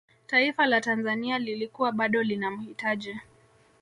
taifa la tanzania lilikuwa bado linamhitaji